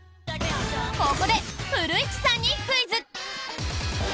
ここで古市さんにクイズ！